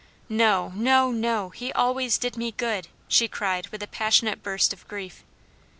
No, no, no, he always did me good!" she cried with a passionate burst of grief.